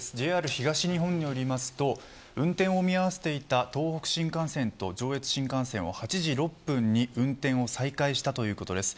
ＪＲ東日本によりますと運転を見合わせていた東北新幹線と上越新幹線は８時６分に運転を再開したということです。